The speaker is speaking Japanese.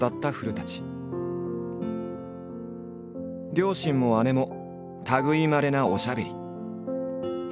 両親も姉も類いまれなおしゃべり。